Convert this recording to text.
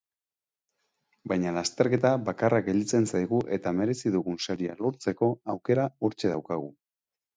Baina lasterketa bakarra gelditzen zaigu eta merezi dugun saria lortzeko aukera hortxe daukagu.